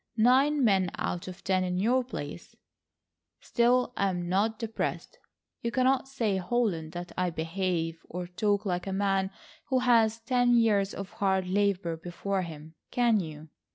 Nine men out of ten in your place—still, I'm not depressed. You cannot say, Holland, that I behave or talk like a man who has ten years of hard labour before him, can you?